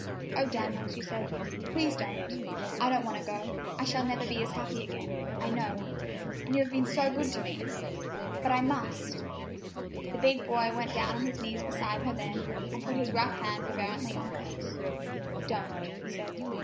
"Oh, Daniel," she said, "please don't! I don't want to go. I shall never be as happy again, I know, and you have been so good to me! But I must——" The big boy went down on his knees beside her then, and put his rough hand reverently on hers. "Don't," said he.